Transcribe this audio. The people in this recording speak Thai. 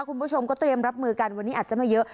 คุณผู้ชมก็เตรียมรับมือกันวันนี้อาจจะไม่เยอะ